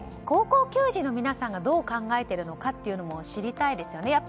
高校球児の皆さんがどう考えているのかも知りたいですよね。